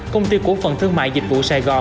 công ty cổ phần thương mại dịch vụ sài gòn